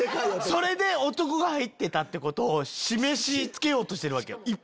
それで男が入ってたってことを示しつけようとしてるわけよ。